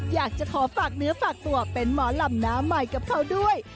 อยากจะขอฝากเนื้อฝากตัวเป็นหมอลำหน้าใหม่กับเขาด้วย